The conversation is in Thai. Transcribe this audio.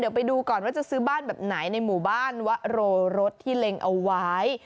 เดี๋ยวไปดูก่อนว่าจะซื้อบ้านแบบไหนในหมู่บ้านวะโรรสที่เล็งเอาไว้